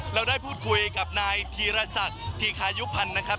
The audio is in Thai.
เราได้พูดคุยกับนายธีรศักดิ์ธีคายุพันธ์นะครับ